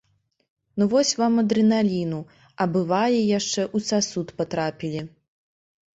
Ну вось вам адрэналіну, а бывае, яшчэ ў сасуд патрапілі.